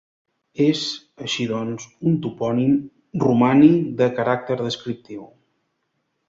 És, així doncs, un topònim romànic de caràcter descriptiu.